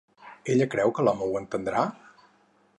Ella creu que l'home ho entendrà?